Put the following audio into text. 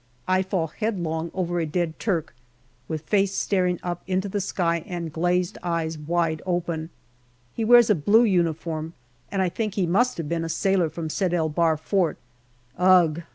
I fall headlong over a dead Turk, with face staring up into the sky and glazed eyes wide open. He wears a blue uniform, and I think he must have been a sailor from Sed el Bahr fort. Ugh